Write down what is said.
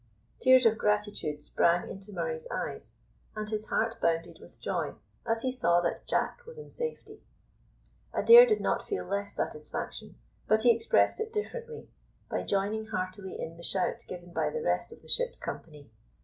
Tears of gratitude sprang into Murray's eyes, and his heart bounded with joy as he saw that Jack was in safety. Adair did not feel less satisfaction, but he expressed it differently, by joining heartily in the shout given by the rest of the ship's company.